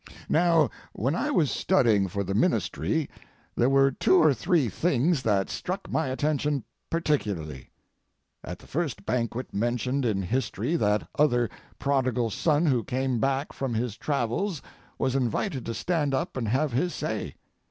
Now when I was studying for the ministry there were two or three things that struck my attention particularly. At the first banquet mentioned in history that other prodigal son who came back from his travels was invited to stand up and have his say.